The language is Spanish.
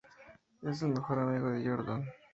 Es el mejor amigo de Jordan.